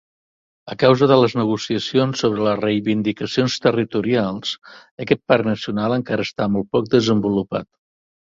A causa de les negociacions sobre les reivindicacions territorials, aquest parc nacional encara està molt poc desenvolupat.